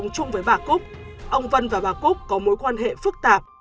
cùng với bà cúc ông vân và bà cúc có mối quan hệ phức tạp